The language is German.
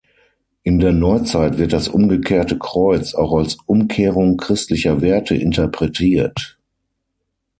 In der Neuzeit wird das umgekehrte Kreuz auch als Umkehrung christlicher Werte interpretiert.